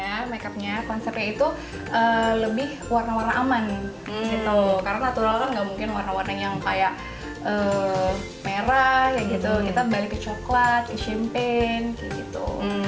ceritanya make upnya konsepnya itu lebih warna warna aman gitu karena natural kan gak mungkin warna warna yang kayak merah gitu kita balik ke coklat ke champagne gitu